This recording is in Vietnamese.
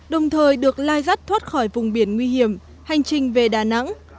đồng thời được lai rắt thoát khỏi vùng biển nguy hiểm hành trình về đà nẵng